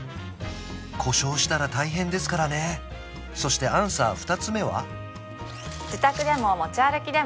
故障したら大変ですからねそしてアンサー２つ目は？